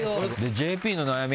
ＪＰの悩み。